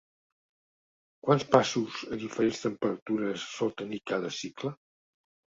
Quants passos a diferents temperatures sol tenir cada cicle?